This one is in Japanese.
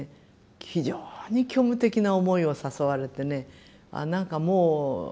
非常に虚無的な思いを誘われてねああなんかもう何もない。